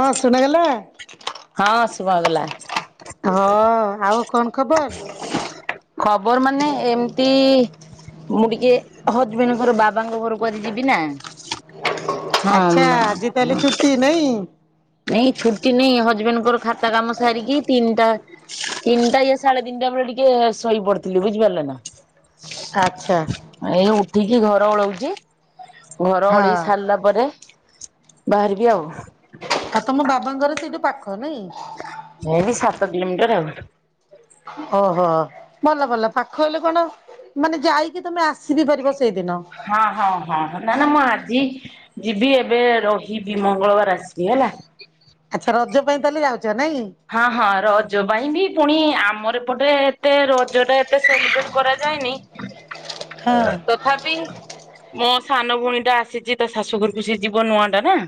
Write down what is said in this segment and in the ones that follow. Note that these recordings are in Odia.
ହଁ ଶୁଣାଗଲା ହଁ ଶୁଭାଗଲା ହଁ ଆଉ କଣ ଖବର ଖବର ମାନେ ଏମିତି ମୁଁ ଟିକେ ହଜବେଣ୍ଡ ଙ୍କର ବାବାଙ୍କ ଘରକୁ ଆଜି ଯିବି ନା ଆଚ୍ଛା ଆଜି ତାହେଲେ ହଁ ଛୁଟି ନାଇଁ ନାଇଁ ଛୁଟି ନାଇଁ ହଜବେଣ୍ଡଙ୍କର ଖାତା କାମ ସାରିକି ତିନିଟା ତିନିଟା ୟା ସାଢେ ତିନିଟା ବେଳେ ଟିକେ ଶୋଇ ପଡିଥିଲି ବୁଝିପାରିଲ ନା ଆଚ୍ଛା ଏଇ ଉଠିକି ଘର ଓଳଉଛି ଘର ହଁ ଓଳେଇ ସାରିଲା ପରେ ବାହାରିବି ଆଉ। ସତେ ତମ ବାବାଙ୍କର ସେଇଠୁ ପାଖ ନାଇଁ? ଏ ସାତ କିଲୋମିଟର ଆଉ। ଓହୋ ଭଲ ଭଲ ପାଖ ହେଲେ କଣ ମାନେ ଯାଇକି ତମେ ଆସିିବି ପାରିବ ସେଇଦିନ। ହଁ ହଁ ହଁ ନା ନା ମୁ ଆଜି ଯିବି ଏବେ ରହିବି ମଙ୍ଗଳବାରେ ଆସିବି ହେଲା। ଆଛା ରଜ ପାଇଁ ତାହେଲେ ଯାଉଛ ନାଇଁ? ହଁ ହଁ ରଜ ପାଇଁ ବି ପୁଣି ଆମର ଏପଟେ ଏତେ ରଜ ଟା ଏତେ ସେଲିବ୍ରେଟ କରାଯାଏନି। ଆ ଆ ତଥାବି ମୋ ସାନ ଭଉଣୀ ଟା ଆସିଛି ତା ଶାଶୁଘରକୁ ସେ ଯିବ ନୂଆଁ ଟା ନା।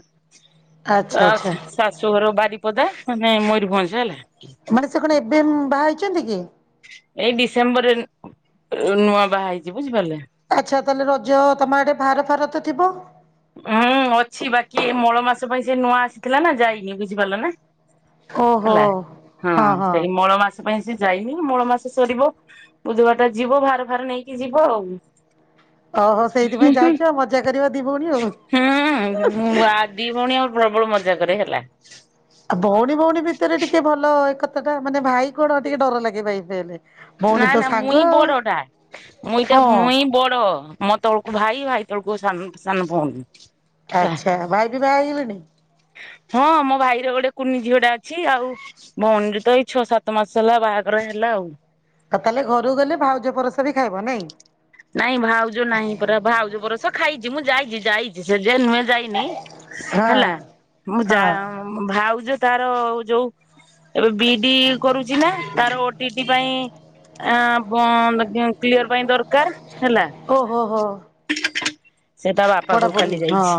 ଆଚ୍ଛା ଆ ଆଚ୍ଛା ଶାଶୁଘର ବାରିପଦା ମାନେ ମୟୂରଭଞ୍ଜ ହେଲା। ମାନେ ସେ କଣ ଏବେ ବାହା ହେଇଚନ୍ତି କି? ଏଇ ଡିସେମ୍ବର ରେ ନୂଆ ବାହା ହେଇଚି ବୁଝିପାରିଲେ? ଆଛା ତାହେଲେ ରଜ ତମ ଆଡେ ଭାର ଫାର ତ ଥିବ? ହୁଁ ଅଛି ବାକି ଏ ମଳ ମାସ ପାଇଁ ସେ ନୂଆ ଆସିଥିଲା ନା ଯାଇନି ବୁଝିପାରିଲ ନା? ଓହୋ ହେଲା ହଁ ସେଇ ମଳ ମାସ ପାଇଁ ସେ ଯାଇନି ମଳ ମାସ ସରିବ। ବୁଧବାରଟା ଯିବ ଭାର ଫାର ନେଇକି ଯିବ ଆଉ। ଓହୋ ସେଇଥିପାଇଁ ଯାଉଚୁ ଆଉ ମଜା କରିବ ଦିଇ ଭଉଣୀ ଆଉ। ଦିଇ ଭଉଣୀ ଆଉ ପ୍ରବଳ ମଜାକରେ ହେଲା। ଆଉ ଭଉଣୀ ଭଉଣୀ ଭିତରେ ଟିକେ ଭଲ ଏକତା ଟା ମାନେ ଭାଇ କଣ ଟିକେ ଡର ଲାଗେ ଭାଇ ହେଲେ। ଭଉଣୀ ନାଇ ତ ନା ସାଙ୍ଗ ମୁଇଁ ଆଉ ବଡଟା ମୁଇଁ ତ ହଁ ମୁଇଁ ବଡ ମୋ ତଳକୁ ଭାଇ ଭାଇ ତଳକୁ ସାନ ସାନ ଭଉଣୀ। ହେଲା ଆଛା ଭାଇ ବି ବାହା ହେଇଗଲେଣି? ହଁ ମୋ ଭାଇର ଗୋଟେ କୁନି ଝିଅ ଟା ଅଛି ଆଉ? ଭଉଣୀ ଟେ ତ ଏଇ ଛଅ ସାତ ମାସ ହେଲା ବାହାଘର ହେଲା ଆଉ। ତ ତାହେଲେ ଘକୁ ଗଲେ ଭାଉଜ ପରସା ବି ଖାଇବ ନାଇଁ? ନାଇଁ ଭାଉଜ ନାହିଁ ପୁରା ଭାଉଜ ପରସ ଖାଇଛି ମୁଁ ଯାଇଛି ଯାଇଛି ସେ ଯେ ନୁହେ ଯାଇନି ହଁ। ହେଲା ମୁଁ ଯା ହଁ ଭାଉଜ ତାର ଯୋଉ ଏବେ ବି ଡ଼ି କରୁଚି ନା ତାର ଓ ଟି ଡି ପାଇଁ ଆଁ ବନ୍ଦ କି କ୍ଲିଅର ପାଇଁ ଦରକାର। ହେଲା ଓହୋ ହୋ। ସେ ତା ବାପା ଘରୁ କାଲି ପଢାପଢି ହଁ ଯାଇଛି।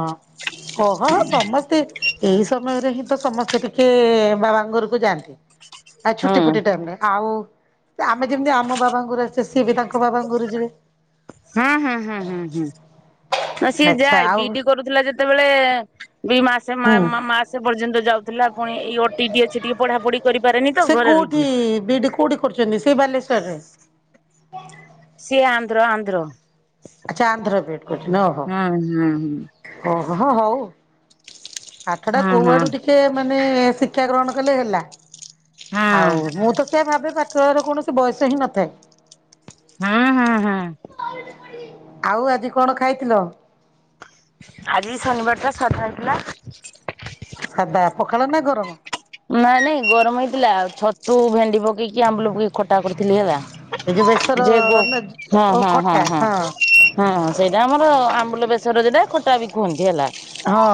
ଓହୋ ସମସ୍ତେ ଏଇ ସମୟରେ ହିଁ ତ ସମସ୍ତେ ଟିକେ ବାବାଙ୍କ ଘରକୁ ଯାଆନ୍ତି। ଆ ହୁଁ ଛୁଟି ଫୁଟି ଟାଇମରେ ଆଉ ଆମେ ଯେମିତି ଆମ ବାବାଙ୍କର ସିଏବି ତାଙ୍କ ବାବା ଘରୁ ଯିବେ। ହୁଁ ହୁଁ ହୁଁ ହୁଁ ହୁଁ ସିଏ ଆଚ୍ଛା ଯାଏ ଆଉ ବି ଡି କରୁଥିଲା ଯେତେବେଳେ ଦିଇ ମାସେ ମା ହୁଁ। ମାସେ ପର୍ଯ୍ୟନ୍ତ ଯାଉଥିଲା ପୁଣି ଓ ଟି ଟି ଅଛି ପଢା ପଢି କରିପାରେନି ତ ସେ ଘରେହୁ। କୋଉଠି ବିଡି କୋଉଠି କରୁଛନ୍ତି ସେଇ ବାଲେଶ୍ୱଵରରେ? ସେ ଆନ୍ଧ୍ର ଆନ୍ଧ୍ର। ଆଛା ଆନ୍ଧ୍ର କରୁଛି ଓହୋ। ହଁ ହଁ ହୁଁ। ଓହୋ ହଉ ଆଠ ଟା ହୁଁ କୋଉ ଆଡୁ ଟିକେ ଟ ମାନେ ଶିକ୍ଷା ଗ୍ରହଣ କଲେ ହେଲା ହୁଁ ହୁଁ ଆଉ ମୁଁ ତ ସେଆ ଭାବେ ପା ତର କୌଣସି ବୟସ ହିଁ ନଥାଏ। ହଁ ହଁ ହଁ। ଆଉ ଆଜି କଣ ଖାଇଥିଲ? ଆଜି ଶନିବାର ଟା ସାଧା ହେଇଥିଲା। ସାଧା ପଖାଳ ନା ଗରମ? ନାଇଁ ନାଇଁ ଗରମ ହେଇଥିଲା ଛତୁ ଭେଣ୍ଡି ପକେଇକି ଆମ୍ବୁଲ ପକେଇକି ଖଟା କରୁଥିଲି ହେଲା। ଏ ଯୋଉ ବେସର ଯେ ଗୋ ନା ହଁ ଓ ହଁ ହଁ ଖଟା ହଁ ହଁ ସେଇଟା ଆମର ଆମ୍ବୁଲ ବେସର ଯେଟା ଖଟା ବି କୁହନ୍ତି ହେଲା। ହଁ।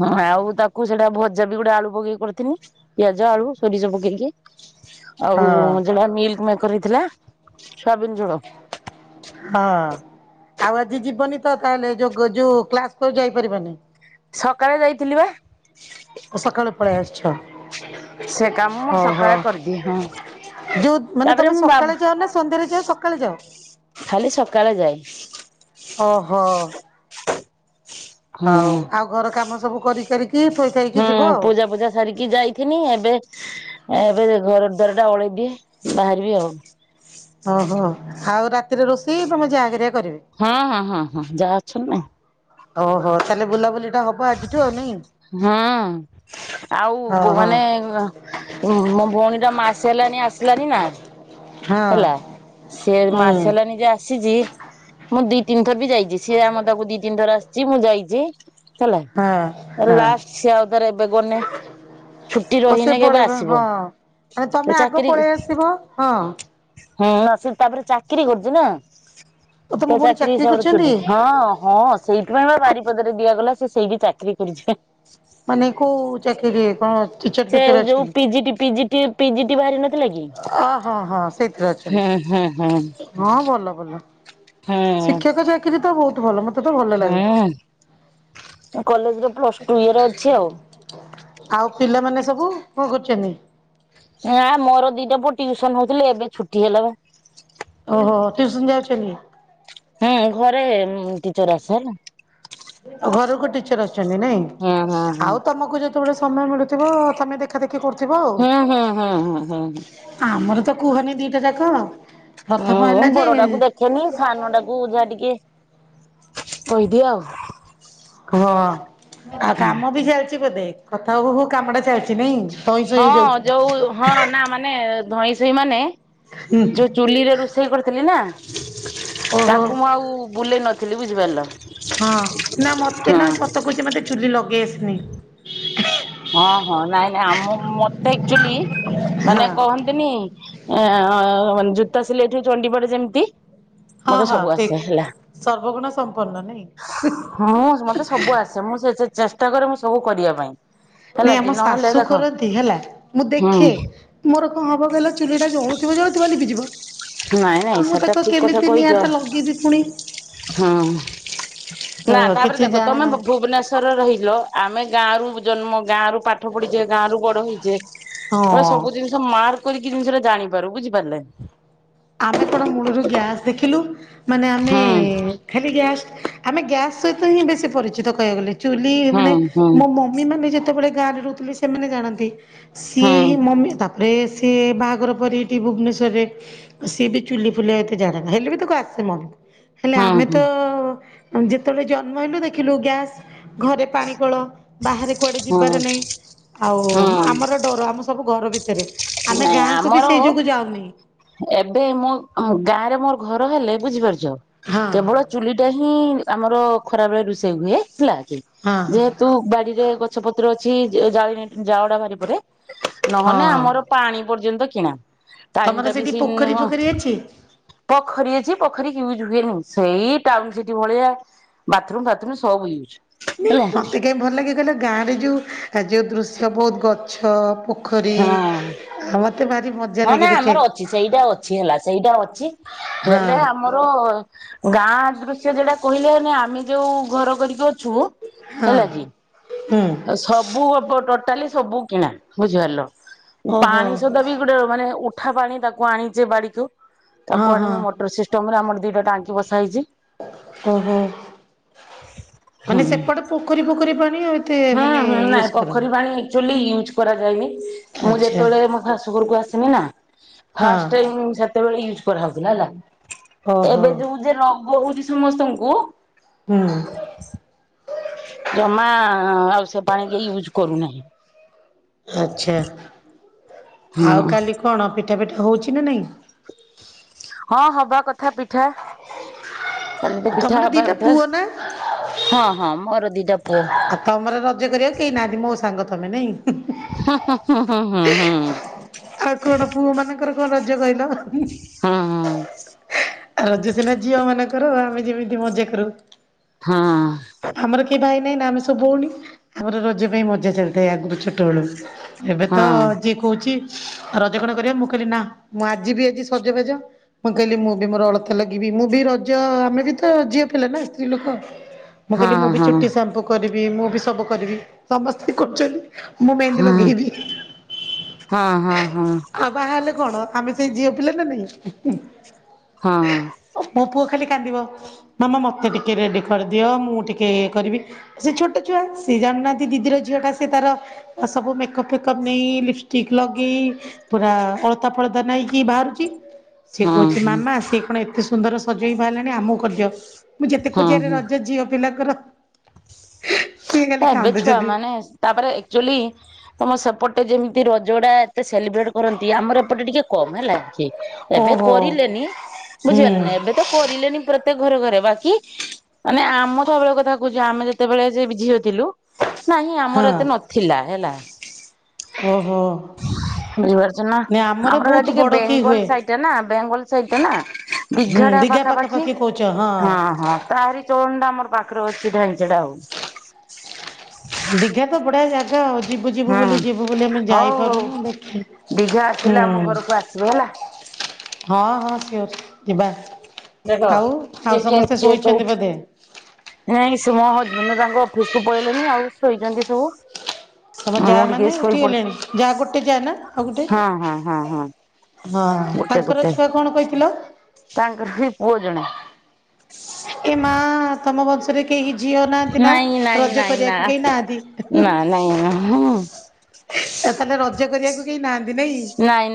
ହଁ ଆଉ ତାକୁ ସେଟା ଭଜା ବି ଗୋଟେ ଆଳୁ ପକେଇକ କରି ତିନି ପିଆଜ ଆଳୁ ସୋରିଷ ପକେଇକି ଆଉ ହଁ ଯେଉଟା ମିଲ୍କ ମେକର ହେଇଥିଲା। ସୋୟାବିନି ଝୋଳ। ହଁ। ଆଉ ଆଜି ଯିବନି ତ ତାହେଲେ ଯୋଉ ଯୋଉ କ୍ଲାସ କରି ଯାଇପାରିବନି? ସକାଳେ ଯାଇଥିଲି ବା। ସକାଳେ ପଳାଇ ଆସିଛ ସେ କାମ ମୋର ହଁ ହଁ। ସକାଳେ କରିଦିଏ ହଁ ଯୋଉ ମାନେ ତାପରେ ତମେ ମୁଁ ବା ସକାଳେ ଯାଅ ନା ସନ୍ଧ୍ୟାରେ ଯାଅ ସକାଳେ ଯାଅ? ଖାଲି ସକାଳେ ଯାଏ। ଓହୋ। ହଉ ହୁଁ। ଆଉ ଘର କାମ ସବୁ କରି କରିକି ଥୋଇ ଥାଇକି ଯିବ ହୁଁ ଆଉ? ପୂଜା ପୂଜା ସାରିକି ଯାଇଥିନି ଏବେ ଏବେ ଘର ଦ୍ୱାର ଟା ଓଳେଇ ଦିଏ ବାହାରିବି ଆଉ। ଓହୋ ଆଉ ରାତିରେ ରୋଷେଇ ତମେ ଯାହା ହେରିକା କରିବେ? ହଁ ହଁ ହଁ ହଁ ଯାହା ଅଛନ୍ତି ନା। ଓହୋ ତାହେଲେ ବୁଲା ବୁଲିଟା ହବ? ଆଜିଠୁ ଆଉ ନାଇଁ ହୁଁ ଆଉ ଓହୋ ମାନେ [unintelligible] ମୋ ଭଉଣୀ ଟା ମାସେ ହେଲାଣି ଆସିଲାନି ନା ହଁ। ହେଲା ସେ ହୁଁ ମାସେ ହେଲା ନିଜେ ଆସିଛି। ମୁଁ ଦି ତିନିଥର ବି ଯାଇଛି ସିଏ ଆମ ଦ ତାକୁ ଦି ତିନି ଥର ଆସିଛି ମୁଁ ଯାଇଛି। ହେଲା ହଁ ହଁ ଲାଷ୍ଟ ସେ ଆଉଦରେ ବେଗନେ। ଓ ସେ ପଳେଇବେ ହଁ ମାନେ ତମେ ଆଗ ପଳେଇ ଆସିବ ହଁ। ହୁଁ ସେ ତାପରେ ଚାକିରି କରୁଛି ନା। ଓ ତମ ତ ଭଉଣୀ ଚାକିରି ହିସାବରେ କରିଛନ୍ତି? ଛୁଟି ହଁ ହଁ। ସେଇଥିପାଇଁ ବା ବାରିପଦାରେ ଦିଆଗଲା ସେ ସେଇଠି ଚାକିରି କରିଛି। ମାନେ କୋଉ ଚାକିରି କଣ? ଟିଚର ଫିଚର ସେଉ ଯୋଉ ଅଛନ୍ତି? ପିଜିଟି ପିଜିଟି ପିଜିଟି ବାହାରିିନ ନଥିଲାକି ଅ ହଁ ହଁ ସେଇଥିରେ ହୁଁ ଅଛନ୍ତି ହୁଁ ହୁଁ। ହଁ ଭଲ ଭଲ। ହୁଁ ଶିକ୍ଷକ ଚାକିରି ତ ବହୁତ ଭଲ ମତେ। ତ ଭଲ ଲାଗେ। ହୁଁ କଲେଜରେ ପ୍ଲସଟୁ ଇଏର ଅଛି ଆଉ। ଆଉ ପିଲାମାନେ ସବୁ କ କରୁଛନ୍ତି? ନା ମୋର ଦିଟା ପୁଅ ଟିଉସନ ହଉଥିଲେ ଏବେ ଛୁଟି ହେଲା ବା। ଓହୋ ତ୍ୟୁସନ ଯାଉଛନ୍ତି? ହୁଁ ଘରେ ଟିଚର ଆସେ ହେଲା। ଘରକୁ ଟିଚର ଆସୁଛନ୍ତି ନାଇଁ ହୁଁ ହୁଁ ହୁଁ। ଆଉ ତମକୁ ଯେତେବେଳେ ସମୟ ମିଳୁଥିବ ତମେ ଦେଖ ଦେଖା ଦେଖି କରୁଥିବ ହୁଁ ହୁଁ ହୁଁ ହୁଁ ହୁଁ ଆଉ ପ୍ରଥମ ହୁଁ ହେଲା ଯେ ବଡଟାକୁ ଦେଖେନି ସାନଟାକୁ ପୁଜା ଟିକେ କହିଦିଏ ଆଉ ଆଉ କାମ ବି ଚାଲିଛି ବୋଧେ କଥା ହଉ ହଉ କାମ ଟା ଚାଲିଛି ନାଇଁ ଧଇଁ ସଇଁ ହେଇଯାଉଛ। ହଁ ଯୋଉ ହଁ ନା ମାନେ ଧଇଁ ସଇ ମାନେ ହୁଁ ଯଉ ଚୁଲି ରେ ରୋଷେଇ କରିଥିଲି ନା ଓହୋ ତାକୁ ମୁଁ ଆଉ ବୁଲେଇ ନଥିଲି ବୁଝିପାରିଲ ହଁ ନା ମତେ ହଁ ନା ସତକୁଛି ମତେ ଚୁଲି ଲଗେଇ ଆସିନି। ହଁ ହଁ ନାଇଁ ନାଇଁ ଆମ ମତେ ଆକ୍ଚୁଆଲି ମାନେ ହଁ। କହନ୍ତି ତିନି ଜୁତା ସିଲେଇଥୁ ଚଣ୍ଡିପାଠ ଯେମିତି ହଁ ମତେ ହଁ ସବୁ ଆସେ ଠିକ ହେଲା। ସର୍ବ ଗୁଣ ସମ୍ପନ୍ନ ନାଇଁ ହଁ ମତେ ସବୁ ଆସେ ମୁଁ ସେ ଚେଷ୍ଟା କରେ ମୁଁ ସବୁ କରିବା ପାଇଁ। ନାଇଁ ହେଲା କି ଆମ ନହେଲେ ଶାଶୁ ଦେଖ କରନ୍ତି ହେଲା ମୁଁ ଦେଖେ ହୁଁ ମୋର କଣ ହବ କହିଲ ଚୁଲି ଟା ଜଳୁଥିବ ଜଳୁଥଥିବା ଲିଭିଜିବ। ନାଇଁ ନାଇଁ ସେଟା ଠିକ କଥା କହିଛ ଲଗେଇବି ପୁଣି ହଁ। ନା ତାପରେ କିଛି ଦେଖ ତମେ ଜାଣେନା ‍ଭୁବନେଶ୍ୱରେ ରହିଲ ଆମେ ଗାଁ ର ଜନ୍ମ ଗାଁ ରୁ ପାଠ ପଢିଛେ ଗାଁରୁ ବଡ ହେଇଛେ ମାନେ ହଁ। ସବୁ ଜିନି ମାର୍କ କରିକି ଜିନିଷଟା ଜାଣିପାରୁ ବୁଝିପାରିଲେ? ଆମେ କଣ ମୂଳରୁ ଗ୍ୟାସ୍ ଦେଖିଲୁ ମାନେ ଆମେ ହୁଁ ଖାଲି ଗ୍ୟାସ୍ ଆମେ ଗ୍ୟାସ୍ ସହିତ ହିଁ ବେଶୀ ପରିଚିତ କହିବାକୁ ଗଲେ। ଚୁଲି ମାନେ ହୁଁ ହୁଁ ମୋ ମମି ମାନେ ଯେତେବେଳେ ଗାଁରେ ରହୁଥିଲେ ସେମାନେ ଜାଣନ୍ତି। ସିଏ ହୁଁ ହି ମମି ତାପରେ ସିଏ ବାହାଘର ପରେ ଏଇଠି ଭୁବନେଶ୍ୱରରେ ସିଏ ବି ଚୁଲି ଫୁଲି ଏତେ ଜାଣେନା ହେଲେ ବି ତାକୁ ଆସେ ମନ ହେଲେ ହୁଁ ଆମେ ତ ହୁଁ ଯେତେବେଳେ ଜନ୍ମ ହେଲୁ ଦେଖିଲୁ ଗ୍ୟାସ୍ ଘରେ ପାଣି କୋଳ ବାହାରେ କୁଆଡେ ଯିବାର ନାଇଁ ଆଉ ହୁଁ ହୁଁ ଆମର ଡର ଆମ ସବୁ ଘର ଭିତରେ ଆମେ ନାଇଁ ଗାଁକୁୁ ବି ଆମର ସେଇ ଯୋଗୁ ଯାଉନି ଏବେ ମଁ ଗାଁରେ ମୋର ଘର ହେଲେ ବୁଝିପାରୁଛ ହଁ। କେବଳ ଚୁଲି ଟା ହିଁ ଆମର ଖରାବେରେ ରୋଷେଇ ହୁଏ ହେଲା କି ହଁ ଯେ ତୁ ବାଡିରେ ଗଛ ପତ୍ର ଅଛି ଜା ଜାଳଡା ବାହାରି ପରେ ନହେଲେ ହଁ ଆମର ପାଣି ପର୍ଯ୍ୟନ୍ତ କିଣା ଟାଇମ ତମର ଟା ସେଠି ବେଶି ପୋଖରୀ ନୁହଁ ଫୋଖରୀ ଅଛି? ପୋଖରୀ ଅଛି ପୋଖରୀ ୟୁଜ୍ ହୁଏନି ସେଇ ଟାଉନ ସିଟି ଭଳିଆ ବାଥରୁମ୍ ଫାଥରୁମ୍ ସବ ୟୁଜ୍ ହେଲା ମତେ କାଇହି ଭଲ ଲଗେକହିଲ ଗାଁ ରେ ଯୋଉ ଯୋଉ ଦୃଶ୍ୟ ବହୁତ ଗଛ ପ ପୋଖରୀ ହଁ ଆଉ ମତେ ଭାରି ଭ ହଁ ନାଇ ଆମର ଅଛି ସେଇଟା ଅଛି ହେଲା ସେଇଟା ଅଛି ହଁ ହେଲେ ଆମର ଆର ଗାଁ ଦୃଶ୍ୟ ଯଟା କହିଲେନି ଆମେ ଯୋଉ ଘର କରିକି ଅଛୁ ହଁ ହେଲା କି ହୁଁ। ସବୁ ଟୋଟାଲି ସବୁ କିଣା ବୁଝିପାରିଲ ଓହୋ ପାଣି ସୁଧା ବି ଗୋଟେ ମାନେ ଉଠା ପାଣି ତାକୁ ଆଣିଛେ ବାଡିକୁ ହଁ ତାକୁ ହଁ। ଆଣିକି ମଟରଷ୍ଟ ଷ୍ଟମରେ ଆମର ଦିଟା ଟାଙ୍କି ବସା ହେଇଛି। ଓହୋ ମାନେ ହୁଁ ସେପଟେ ପୋଖରୀ ପୋଖରୀ ପାଣି ଏତେ ହୁଁ ମାନେ ହୁଁ ୟୁଜ୍ ନାଇଁ କରନି। ପୋଖରୀ ପାଣି ଆଚୁଆଲି ୟୁଜ କରାଯାଏନି ମୁଁ ଆଚ୍ଛା ଯେତେବେଳେ ମୋ ଶାସୁଘରକୁ ଆସିମି ନା ହଁ ଫାଷ୍ଟ ଟାଇମ୍ ସେତେବେଳେ ୟୁଜ କରାହଉଥିଲା ହେଲା ଓହୋ ଏବେ ଯୋଉ ଯେ ରୋଗ ହଉଛି ସମସ୍ତଙ୍କୁ ହୁଁ। ଜମା ଆଉ ସେ ପାଣି କି ୟୁଜ୍ କରୁନାହିଁ। ଆଛା ହୁଁ ଆଉ କାଲି କଣ ପିଠା ପିଠା ହଉଛି ନା ନାଇଁ? ହଁ ହବା କଥା ପିଠା କାଲି ପିଠା ତମର ହବା ଦିଟା କଥା। ପୁଅ ନା? ହଁ ହଁ ମୋର ଦିଦ ଆଉ ତମର ରଜ କରିବାକୁ କେହି ନାହାନ୍ତି ମୋ ସାଙ୍ଗ ତମେ ନାଇଁ? ଁ ହଁ ହୁଁ ହୁଁ। ଆଉ କଣ ପୁଅ ମାନଙ୍କର କଣ ରଜ କହିଲ। ହଁ ହଁ। ରଜ ସିନା ଝିଅ ମାନଙ୍କର ଆମେ ଯେମିତି ମଜା କରୁ। ହଁ। ଆମର କେହି ଭାଇ ନାହିଁ ନା ଆମେ ସବୁ ଭଉଣି ଆମର ରଜ ପାଇଁ ମଜା ଚାଲିଥାଏ ଆଗରୁ ଛୋଟବେଳୁ। ଏବେ ହଁ ତ ଯିଏ କହୁଛି ରଜ କଣ କରିବା ମୁଁ କହିଲି ନା ମୁଁ ଆଜିିବି ଆଜି ସଜ ବାଜ। ମୁଁ କହିଲି ମୁଁ ବି ମୋର ଅଳତା ଲଗେଇିବି ମୁଁ ବି ରଜ ଆମେ ବି ତ ଝିଅ ପିଲା ନା ସ୍ତ୍ରୀ ଲୋକ। ମୁଁ କହିଲି ମୁଁ ବି ହଁ ଚୁଟି ସାମ୍ପୁ କରିବି ମୁଁ ବି ସବୁ କରିବି ସମସ୍ତେ କରୁଛନ୍ତି। ମୁଁ ମେହେନ୍ଦୀ ହଁ ଲଗେଇଦି ହଁ ହଁ ହଁ ହଁ ଆଉ ବାହା ହେଲେ କଣ ଆମେ ସେଇ ଝିଅ ପିଲା ନା ନାଇଁ। ହଁ। ଓ ମୋ ପୁଅ ଖାଲି କାନ୍ଦିବ ମାମା ମତେ ଟିକେ ରେଡି କରିଦିଅ ମୁଁ ଟିକେ ଇଏ କରିବି। ସେ ଛୋଟ ଛୁଆ ସେ ଜାଣିନାହାନ୍ତି ଦିଦିର ଝିଅ ଟା ସେ ତାର ସବୁ ମେକଅପ୍ ଫେକଅପ୍ ନେଇ ଲିପଷ୍ଟିକ୍ ଲଗେଇ ପୁରା ଅଳତା ଫଳଦା ନେଇକି ବାହାରୁଛି। ସେଏ ହଁ କହୁଛି ହଁ ମାମା ସିଏ କଣ ଏତେ ସୁନ୍ଦର ସଜେଇ ବାହାରିଲାଣି ଆମକୁ କରିଦିଅ। ମୁଁ ହଁ ଯେତେକହୁଚି ହଁ ରଜ ଝିଅ ପିଲାଙ୍କର ସିଏ ଖାଲି ହେବେଛୁଆ କାନ୍ଦୁଛନ୍ତି। ମାନେ ତାପରେ ଆଚୁଆଲି ତମ ସେପଟେ ଯେମିତି ରଜଗଡା ଏତେ ସେଲିବ୍ରେଟ କରନ୍ତି ଆମର ଏପଟେ ଟିକେ କମ ହେଲା କି ଏବେ ଓହୋ କରିଲେନି ହୁଁ ବୁଝିପାରିଲ ନା ଏବେ ତ କରିଲେନି ପ୍ରତ୍ୟେକ ଘରେ ଘରେ ବାକି ମାନେ ଆମ ସବୁବେଳେ କଥା କହୁଛ ଆମେ ଯେତେବେଳେ ସେ ଝିଅଥିଲୁ ନାଇଁ ଆମର ଏତେ ନଥିଲା ହେଲା। ଓ ହୋ। ବୁଝିପାରୁଛ ନା ଆମର ଏଟା ଟିକେ ବଡ କି ବେଙ୍ଗଲ ହୁଏ ସାଇଟ ଟା ନା ବେଙ୍ଗଲ ସାଇଟ ଟା ନା। ହୁଁ ବିଘଟା ଦିଘା ପାଖାପାଖି କହୁଛ ହଁ ହଁ। ତାରି ଜୋଣ୍ଡା ଆମର ପାଖରେ ଅଛି ଢାଞ୍ଚ ଟା ଆଉ ହ ଦିଗା ତ ବଡିଆ ଜାଗା ଆଉ। ଯିବୁ ଯିବୁ ବୋଲିୁ ଯିବୁ ବୋଲି ଆମେ ହଉ ହଉ ଯାଇପାରୁନୁ ଦେଖ ଦିଘା ହୁଁ। ଆସିଲେ ଆମ ଘରକୁ ଆସିବେ ହେଲା ହଁ ହଁ ସିଓର ଶ୍ ଯିବା। ଦେଖ ଆଉ ଆଉ କିଏ କିଏ ସମସ୍ତେ କିଏ ଶୋଇଛନ୍ତି କୋଉଠି ବୋଧେ। ନାଇଁ ମୋ ହଜବେଣ୍ଡ ତାଙ୍କ ଅଫିସ କୁ ପଳେଇଲେଣି ଆଉସୋଇଛନ୍ତି ତମ ସବୁ। ଯା ମୁ ଟିକେ ମାନେ ଶୋଇ ଉଠିଗଲେଣି ଯା ଗୋଟେ ଯା ନା ପଡ଼ିଛି ଆଉ ଗୋଟେ ହଁ ହଁ ହଁ ହଁ। ହଁ ଗୋଟେ ତାଙ୍କର ଗୋଟେ ଛୁଆ କଣ କହିଥିଲ। ତାଙ୍କର ବି ପୁଅ ଜଣେ। ଏ ମା ତମ ବଂଶରେ କେହି ଝିଅ ନାହାନ୍ତି ନା ନାଇଁ ନାଇଁ ରଜ ନାଇଁ ନା କରିବାକୁ କେହି ନାହାନ୍ତି। ଏ ନା ନାଇଁ ତାହେଲେ ରଜ କରିବାକୁ କେହି ନାହାନ୍ତି ନାଇଁ?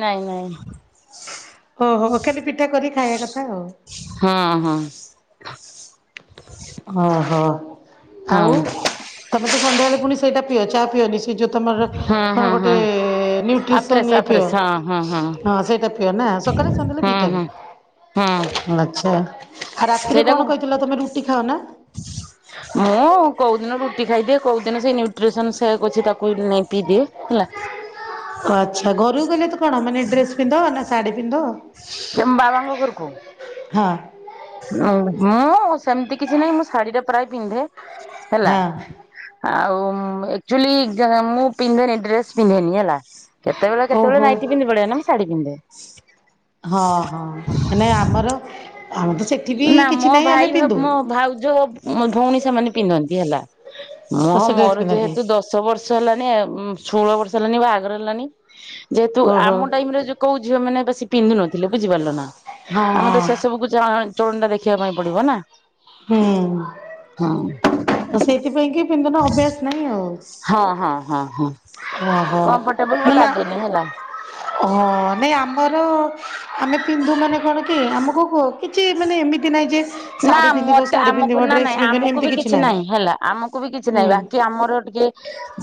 ନାଇଁ ନାଇଁ ଓହୋ ଖାଲି ପିଠା କରିକି ଖାଇବା କଥା ଆଉ। ହୁଁ ହୁଁ। ଓହୋ ଆଉ ହଁ ତମେ ତ ସନ୍ଧ୍ୟାବେଳେ ପୁଣି ସେଇଟା ପିଅ ଚା ପିଅ ନି୍ଚ ଏ ଯୋଉ ତମର ହଁ ହଁ କଣ ଗୋଟେ ହଁ ନିଉଟ୍ରିସନ୍ ଆଫ୍ରେସ୍ ଇଏ ପିଅ। ଆଫ୍ରେସ୍ ହଁ ହଁ ହଁ ସେଇଟା ପିଅ ନା ସକାଳେ ସନ୍ଧ୍ୟାବେଳେ ଦି ହଁ ହଁ ହଁ ଟାଇମ୍ ଆଛା। ରାତିରେ କଣ ସେଇଟାକୁ କହିଥିଲ ତମେ ରୁଟି ଖାଅ ନା? ମୁଁ କୋଉ ଦିନ ରୁଟି ଖାଇଦିଏ କୋଉ ଦିନ ସେଇ ନ୍ୟୁଟ୍ରିସନ ସେକ୍ ଅଛି ତାକୁ ନେଇ ପିଇଦିଏ ହେଲା। ଆଚ୍ଛା ଘରୁକୁ ଗଲେ ତ କଣ ମାନେ ଡେସ୍ ପିନ୍ଧ ନା ଶାଢୀ ପିନ୍ଧ? କେମ୍ ମୋ ବାବାଙ୍କ ଘରକୁ ହଁ। ମୁଁ ସେମିତି କିଛି ନାହିଁ ମୁଁ ଶାଢୀ ଟା ପ୍ରାୟ ପିନ୍ଧେ ହେଲା। ହଁ ଆଉ ମ୍ ଆକ୍ଚୁଲି ମୁଁ ପିନ୍ଧେନି ଡ୍ରେସ୍ ପିନ୍ଧେନି ହେଲା। କେତେବେଳେ କେତେବେଳେ ଓହୋ ନାଇଟି ପିନ୍ଧି ପଳାଏ ନା ମୁଁ ଶାଢୀ ପିନ୍ଧେ। ହଁ ହଁ ମାନେ ଆମର ଆମ ନା ମୋ ଭାଇ ଭା ମୋ ଭାଉଜ ମୋ ଭଉଣୀ ସେମାନେ ପିନ୍ଧନ୍ତି ହେଲା ଆଉ ମହ ସେ ଡ୍ରେସ ମୋର ପିନ୍ଧନ୍ତି ଯେହେତୁ ଦଶ ଦଶ ବର୍ଷ ହେଲାଣି ଷୋହଳ ବର୍ଷ ହେଲାଣି ବାହାଘର ହେଲାଣିି ଯେହେତୁ ଓହୋ ଆମ ଟାଇମ୍ ରେ ଯ କୋଉ ଝିଅ ମାନେ ବେଶୀ ପିନ୍ଧୁ ନଥିଲେ ବୁଝିପାରିଲ ନା ହଁ ଆମେ ତ ହଁ ସେ ସବୁକୁ ଚଳ ଚଳନୀ ଟା ଦେଖିବା ପାଇଁ ପଡ଼ିବ ନା। ହୁଁ। ହଁ। ତ ସେଇଥିପାଇଁ କି ପିନ୍ଧୁନ ଅଭ୍ୟାସ ନାହିଁ ଆଉ। ହଁ ହଁ ହଁ ହଁ ଓହୋ କମ୍ଫର୍ଟେବଲ ମାନେ ଲାଗେନି ହେଲା। ହଁ ନାଇଁ ଆମର ଆମେ ପିନ୍ଧୁ ମାନେ କଣ କି ଆମକୁ କୁହ କିଛି ମାନେ ଏମିତି ନାହିଁ ଯେ ନା ଶାଢ଼ୀ ପିନ୍ଧିବ ମତେ ଶାଢ଼ୀ ଆମକୁ ପିନ୍ଧିବ ନା ଡ୍ରେସ ନାଇଁ ପିନ୍ଧିବନି ଆମକୁ ଏମିତି ବି କିଛି ନାହିଁ ହେଲା ଆମ କୁ ବି କିଛି ନାହିଁ ହୁଁ ବାକି ଆମର ଟିକେ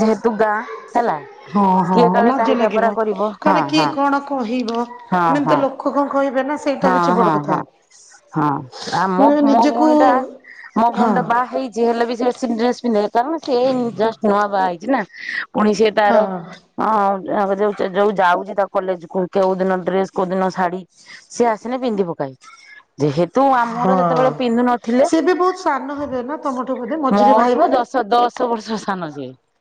ଯେହେତୁ ଗାଁ ହେଲା ହଁ ହଁ କିଏ କାଳେ ଲାଜ ଲାଗିବ ଟାହିଟାପରା କରିବ ହଁ କାରଣ କିଏ ହଁ। କଣ କହିବ ହଁ ଏମାନେ ହଁ ତ ଲୋକ ଲୋକ କଣ କହିବେ ନା ସେଇଟା ହଁ ହଉଛି ବଡ଼ ହଁ କଥା ହଁ। ହଁ ଆ ମୋ ମୁଁ ମୋ ନିଜକୁ ଭଉଣୀ ଟା ମୋ ହଁ ଭଉଣୀ ଟା ବାହା ହେଇଛି ହେଲେ ବି ସେ ଡ୍ରେସ୍ ପିନ୍ଧେ କାରଣ ସେ ଜଷ୍ଟ ନୂଆ ବାହା ହେଇଛି ନା। ପୁଣି ସିଏ ହଁ ତାର ହଁ ଯୋଉ ଯୋଉ ଯାଉଛି ତା କଲେଜ କୁ କଉ ଦିନ ଡ୍ରେସ କୋଉ ଦିନ ଶାଢୀ ସିଏ ଆସିନେ ପିନ୍ଧି ପକାଏ। ଯେହେତୁ ଆମର ହଁ ସେତେବେଳେ ପିନ୍ଧୁ ନଥିଲେ ସେ ବି ବହୁତ ସାନ ହେବେ ନା ତମଠୁ ବୋଧେ ମୋ ମଝିରେ ଭାଇ ଠୁ ବା ଦଶ ଦଶ୍ ଦଶ ବର୍ଷ ସାନ ସିଏ।